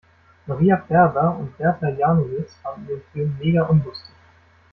Maria Färber und Berta Janowitz fanden den Film mega unlustig.